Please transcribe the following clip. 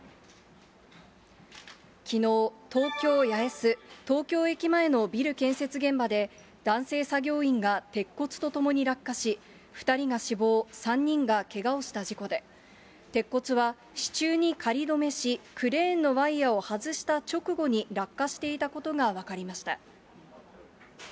きのう、東京・八重洲、東京駅前のビル建設現場で、男性作業員が鉄骨とともに落下し、２人が死亡、３人がけがをした事故で、鉄骨は支柱に仮止めし、クレーンのワイヤを外した直後に落下していたことが分かりました。